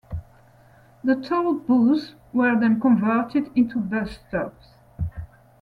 The toll booths were then converted into bus stops.